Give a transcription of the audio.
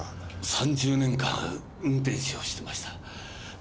３０年間運転士をしてました。